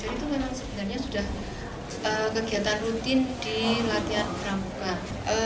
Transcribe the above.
jadi itu memang sebenarnya sudah kegiatan rutin di latihan pramuka